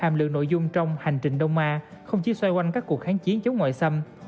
hàm lượng nội dung trong hành trình đông a không chỉ xoay quanh các cuộc kháng chiến chống ngoại xâm